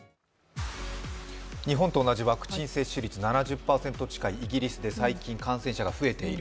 日本と同じワクチン接種率７０％近いイギリスで最近感染者が増えている。